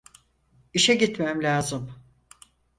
İşe gitmem lazım.